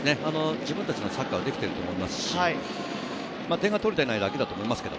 自分たちのサッカーができてると思いますし、点が取れてないだけだと思いますけどね。